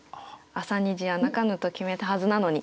「朝虹や泣かぬと決めたはずなのに」。